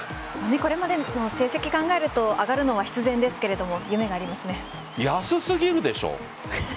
これまでの成績を考えると上がるのは必然ですが安すぎるでしょう。